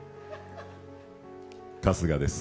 春日です。